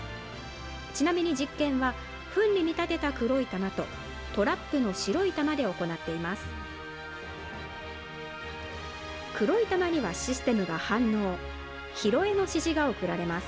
ちなみに実験は、ふんに見立てた黒い玉と、トラップの白い玉で行っています。